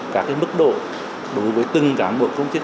các mức độ đối với từng cán bộ công chức